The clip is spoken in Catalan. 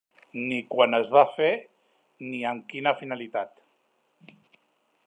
Ni quan es va fer ni amb quina finalitat.